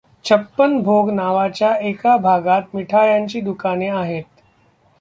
छप्पन भोग नावाच्या एका भागात मिठायांची दुकाने आहेत.